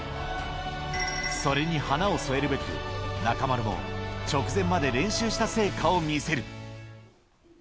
それに華を添えるべく、中丸も直前まで練習した成果を見せる。